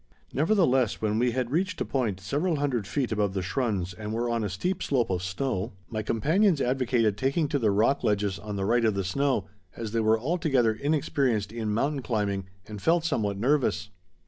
Nevertheless, when we had reached a point several hundred feet above the schrunds and were on a steep slope of snow, my companions advocated taking to the rock ledges on the right of the snow, as they were altogether inexperienced in mountain climbing and felt somewhat nervous.